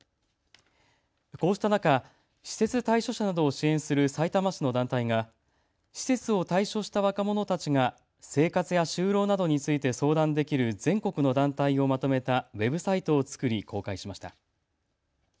こうした中、施設退所者などを支援するさいたま市の団体が施設を退所した若者たちが生活や就労などについて相談できる全国の団体をまとめたウェブサイトを作り公開しました。